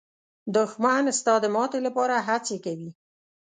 دښمن ستا د ماتې لپاره هڅې کوي